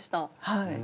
はい。